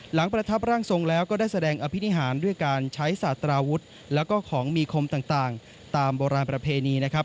ประทับร่างทรงแล้วก็ได้แสดงอภินิหารด้วยการใช้สาธาราวุฒิแล้วก็ของมีคมต่างตามโบราณประเพณีนะครับ